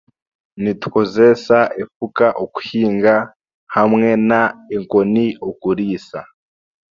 Nitukozeesa efuka okuhinga hamwe n'enkoni okuriisa